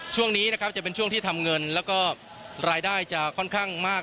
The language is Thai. ช่วงนี้จะเป็นช่วงทำเงินได้จะค่อนข้างมาก